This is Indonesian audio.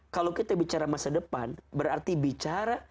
kalau kita bicara masa depan berarti bicara